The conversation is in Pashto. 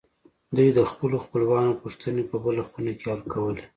دوی د خپلو خپلوانو پوښتنې په بله خونه کې حل کولې